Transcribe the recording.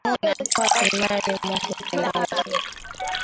Panua nafasi imani mwako Tandaza